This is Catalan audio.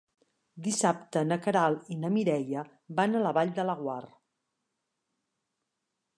Dissabte na Queralt i na Mireia van a la Vall de Laguar.